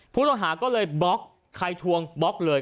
ผู้ต้องหาก็เลยบล็อกใครทวงบล็อกเลย